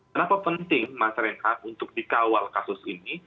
kenapa penting mas reinhardt untuk dikawal kasus ini